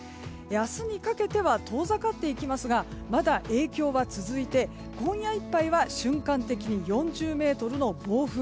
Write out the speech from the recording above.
明日にかけては遠ざかっていきますがまだ影響は続いて今夜いっぱいは瞬間的に４０メートルの暴風。